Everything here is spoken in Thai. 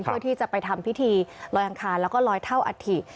เพื่อที่จะไปทำพิธีลอยอังคารแล้วก็ลอยเท่าอัฐิ